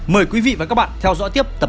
mời quý vị và các bạn theo dõi tiếp tập ba